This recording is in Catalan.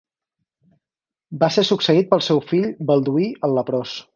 Va ser succeït pel seu fill Balduí el Leprós.